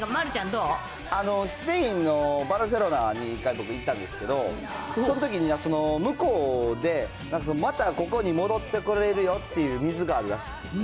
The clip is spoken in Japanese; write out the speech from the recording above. スペインのバルセロナに僕一回行ったんですけど、そのときに、向こうでまたここに戻ってこれるよっていう水があるらしくて。